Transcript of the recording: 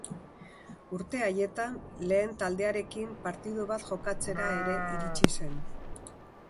Urte haietan, lehen taldearekin partidu bat jokatzera ere iritsi zen.